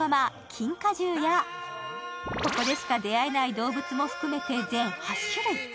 キンカジューやここでしか出会えない動物も含めて、全８種類。